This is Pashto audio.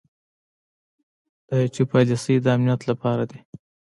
دا ائ ټي پالیسۍ د امنیت لپاره دي.